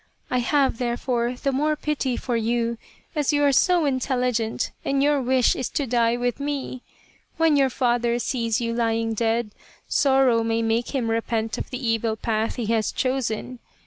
I have, therefore, the more pity for you as you are so intelligent and your wish is to die with me. When your father sees you lying dead, sorrow may make him repent of the evil path he has chosen.